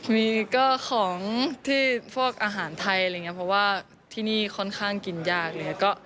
มีก็ของที่พวกอาหารไทยอะไรอย่างนี้เพราะว่าที่นี่ค่อนข้างกินยากเลย